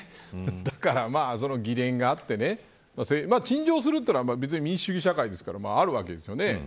だから議連があって陳情するというのは別に民主主義社会ですからあるわけですよね。